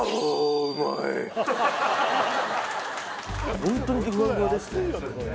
ホントにふわふわですね